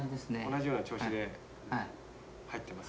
同じような調子で入ってます？